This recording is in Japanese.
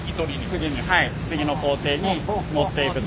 次に次の工程に持っていくと。